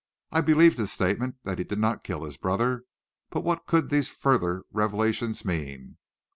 I believed his statement that he did not kill his brother, but what could these further revelations mean?